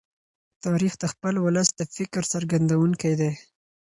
تاریخ د خپل ولس د فکر څرګندونکی دی.